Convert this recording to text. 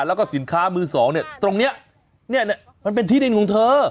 แล้วก็สินค้ามือสองเนี่ยตรงนี้เนี่ยมันเป็นที่ดินของเธอ